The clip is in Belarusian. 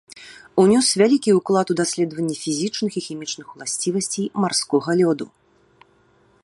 Унёс вялікі ўклад у даследаванне фізічных і хімічных уласцівасцяў марскога лёду.